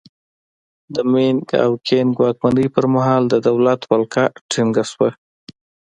د مینګ او کینګ واکمنۍ پرمهال د دولت ولکه ټینګه شوه.